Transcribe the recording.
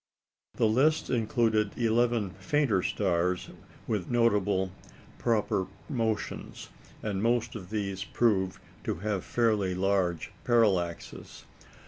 The list included eleven fainter stars with notable proper motions, and most of these proved to have fairly large parallaxes.